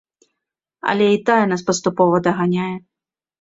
Але і тая нас паступова даганяе.